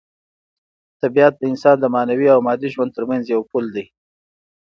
طبیعت د انسان د معنوي او مادي ژوند ترمنځ یو پل دی.